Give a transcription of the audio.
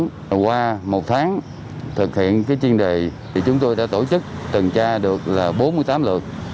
trong một tháng thực hiện chuyên đề chúng tôi đã tổ chức tần tra được bốn mươi tám lượt